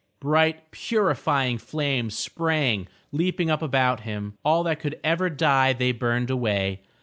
Bright purifying flames sprang leaping up about him. All that could ever die they burned away.